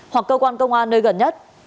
hoặc cơ quan công an nơi gần nhất